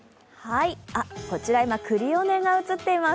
こちら、今、クリオネが映っています。